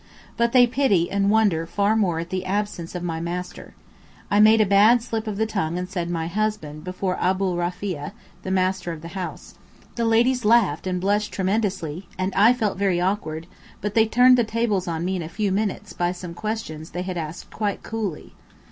But they pity and wonder far more at the absence of my 'master.' I made a bad slip of the tongue and said 'my husband' before Abdul Rafiah, the master of the house. The ladies laughed and blushed tremendously, and I felt very awkward, but they turned the tables on me in a few minutes by some questions they asked quite coolly.